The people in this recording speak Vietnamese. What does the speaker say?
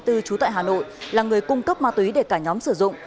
trú tại hà nội là người cung cấp ma túy để cả nhóm sử dụng